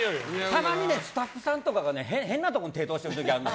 たまにスタッフさんとかが変なところに手通してる時あるの。